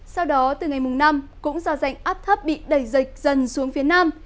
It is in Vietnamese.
sau đó từ ngày mùng năm cũng do dạnh áp thấp bị đẩy dịch dần xuống phía nam